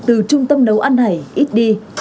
từ trung tâm nấu ăn này ít đi